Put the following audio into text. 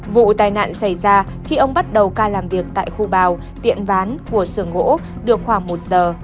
vụ tai nạn xảy ra khi ông bắt đầu ca làm việc tại khu bào tiệm ván của sưởng gỗ được khoảng một giờ